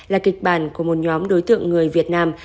là kịch bản của một nhóm đối tượng người việt nam